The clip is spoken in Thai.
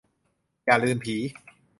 อย่าลืมผี